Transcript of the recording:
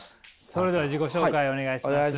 それでは自己紹介お願いします。